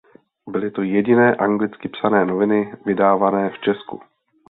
Byly to jediné anglicky psané noviny vydávané v Česku.